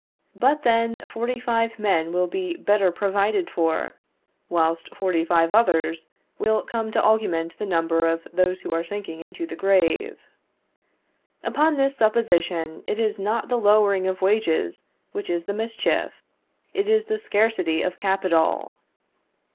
But then, forty five men will be better provided for, whilst forty five others will come to augment the number of those who are sinking into the grave. Upon this supposition, it is not the lowering of wages which is the mischief, it is the scarcity of capital.